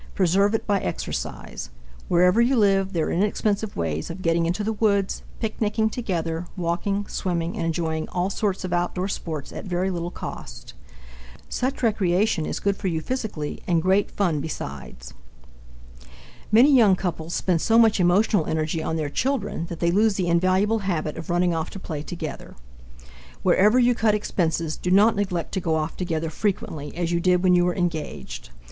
Preserve it by exercise. Wherever you live, there are inexpensive ways of getting into the woods, picnicking together, walking, swimming, and enjoying all sorts of outdoor sports at very little cost. Such recreation is good for you physically, and great fun besides. Many young couples spend so much emotional energy on their children that they lose the invaluable habit of running off to play together. Wherever you cut expenses, do not neglect to go off together frequently as you did when you were engaged.